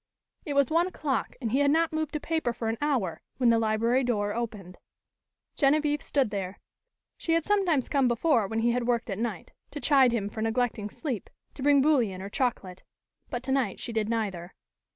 It was one o'clock and he had not moved a paper for an hour, when the library door opened. Genevieve stood there. She had sometimes come before when he had worked at night, to chide him for neglecting sleep, to bring bouillon or chocolate. But tonight she did neither.